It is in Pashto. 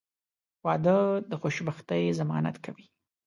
• واده د خوشبختۍ ضمانت کوي.